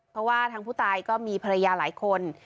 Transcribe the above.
เพราะว่าทางผู้ตายก็มีภรรยาหลายคน